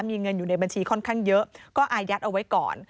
มีเงินอยู่ในบัญชีค่อนข้างเยอะก็อายัดเอาไว้ก่อน